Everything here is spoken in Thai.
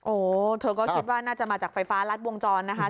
โอ้โหเธอก็คิดว่าน่าจะมาจากไฟฟ้ารัดวงจรนะคะ